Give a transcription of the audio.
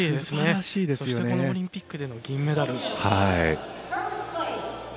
そしてこのオリンピックでの銀メダル。